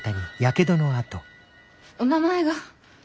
お名前が。